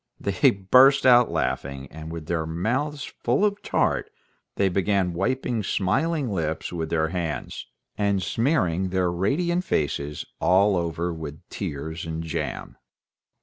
They burst out laughing, and, with their mouths full of tart, they began wiping their smiling lips with their hands, and smearing their radiant faces all over with tears and jam.